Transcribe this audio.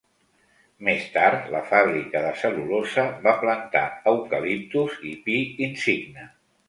Més tard, la fàbrica de cel·lulosa va plantar eucaliptus i pi insigne.